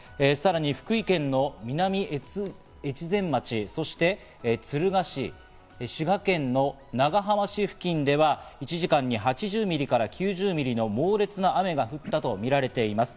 さらに福井県の南越前町、敦賀市、滋賀県の長浜市付近では１時間に８０ミリから９０ミリの猛烈な雨が降ったとみられています。